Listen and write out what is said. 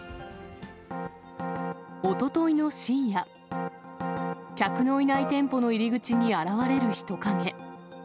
おとといの深夜、客のいない店舗の入り口に現れる人影。